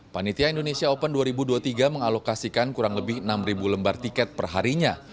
panitia indonesia open dua ribu dua puluh tiga mengalokasikan kurang lebih enam lembar tiket perharinya